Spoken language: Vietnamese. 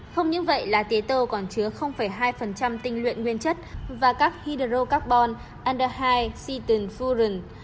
không những vậy lá tế tô còn chứa hai tinh luyện nguyên chất và các hydrocarbon aldehyde citin furin